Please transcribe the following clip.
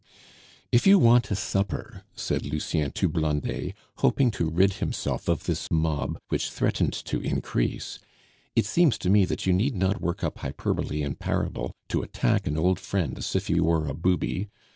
"If you want a supper," said Lucien to Blondet, hoping to rid himself of this mob, which threatened to increase, "it seems to me that you need not work up hyperbole and parable to attack an old friend as if he were a booby.